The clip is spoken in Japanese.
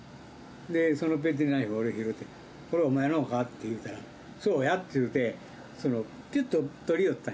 そのペティナイフを俺、拾って、これ、お前のか？と言ったら、そうやって言うて、きゅっと取りおった。